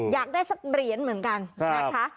อยากได้สักเหรียญเหมือนกันนะคะ